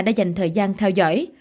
đã dành thời gian theo dõi